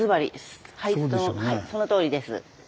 はいそのとおりです。